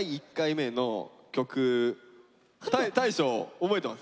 大昇覚えてます？